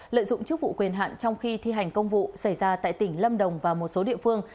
lợi dụng chức vụ quyền hạn trong khi thi hành công vụ xảy ra tại tỉnh lâm đồng và một số địa phương